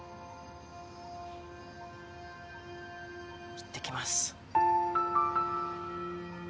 いってきます。